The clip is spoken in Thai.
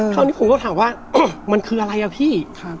คราวนี้ผมก็ถามว่ามันคืออะไรอ่ะพี่